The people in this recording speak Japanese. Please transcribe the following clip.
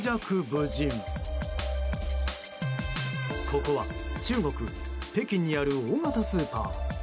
ここは中国・北京にある大型スーパー。